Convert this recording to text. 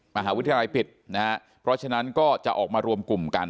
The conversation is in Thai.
มหาวิทยาลัยปิดนะฮะเพราะฉะนั้นก็จะออกมารวมกลุ่มกัน